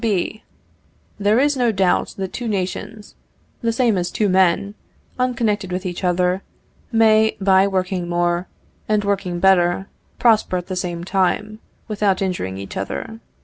B. There is no doubt that two nations, the same as two men, unconnected with each other, may, by working more, and working better, prosper at the same time, without injuring each other.